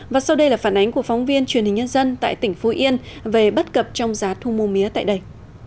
và sau đây là phản ánh của phóng viên truyền hình nhân dân tại tỉnh phú yên về bất cập trong giá thu mua mía tại đây